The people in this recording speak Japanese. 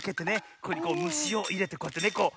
ここにむしをいれてこうやってねこう。